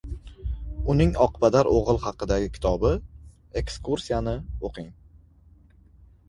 Uning oqpadar o‘g‘il haqidagi kitobi – “Ekskursiya”ni o‘qing.